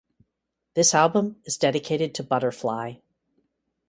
This album is dedicated to "Butterfly".